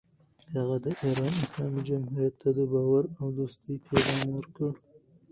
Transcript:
هغه د ایران اسلامي جمهوریت ته د باور او دوستۍ پیغام ورکړ.